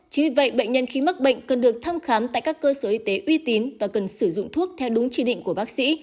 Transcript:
chính vì vậy bệnh nhân khi mắc bệnh cần được thăm khám tại các cơ sở y tế uy tín và cần sử dụng thuốc theo đúng chỉ định của bác sĩ